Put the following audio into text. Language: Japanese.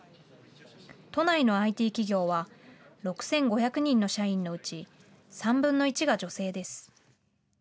都内のＩＴ企業は６５００人の社員のうち３分の１が女性です。